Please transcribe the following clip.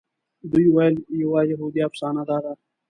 دوی ویل یوه یهودي افسانه داده.